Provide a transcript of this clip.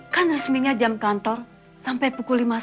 kan resminya jam kantor sampai pukul sebelas malam